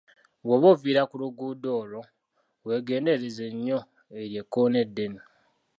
Bw'oba ovugira ku luguudo olwo, weegendereze nnyo eryo ekkoona eddene.